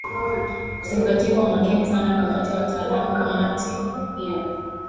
uzingativu wa makini sana Kamati ya wataalamuKamati hiyo